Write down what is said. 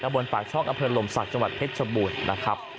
บนปากช่องอเภิลลมศักดิ์จังหวัดเพชรบุญนะครับ